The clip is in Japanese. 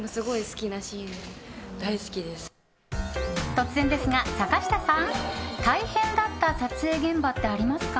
突然ですが坂下さん大変だった撮影現場ってありますか？